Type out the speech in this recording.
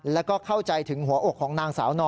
แล้วก็เข้าใจถึงหัวอกของนางสาวนอ